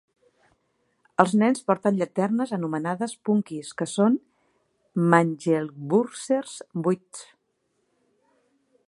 Els nens porten llanternes anomenades "Punkies", que són "mangelwurzels" buits.